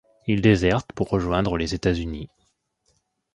Il déserte pour rejoindre les États-Unis.